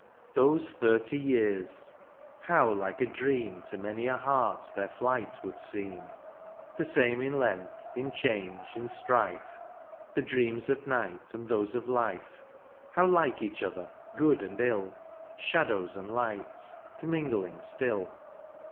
Those thirty years ! how like a dream To many a heart their flight would seem ; The same in length, in change, in strife ; The dreams of night and those of life. How like each other — ^good and ill. Shadows and lights, commingling still.